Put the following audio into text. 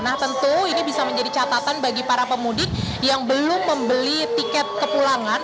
nah tentu ini bisa menjadi catatan bagi para pemudik yang belum membeli tiket kepulangan